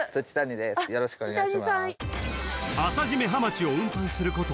よろしくお願いします。